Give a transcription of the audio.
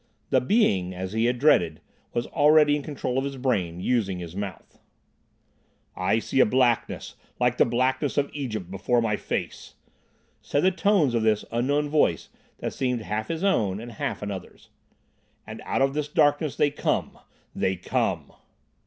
The Being, as he had dreaded, was already in control of his brain, using his mouth. "I see a blackness like the blackness of Egypt before my face," said the tones of this unknown voice that seemed half his own and half another's. "And out of this darkness they come, they come."